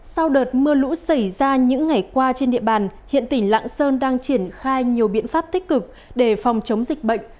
sau đợt mưa lũ xảy ra những ngày qua trên địa bàn hiện tỉnh lạng sơn đang triển khai nhiều biện pháp tích cực để phòng chống dịch bệnh